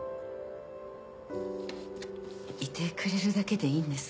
いてくれるだけでいいんです。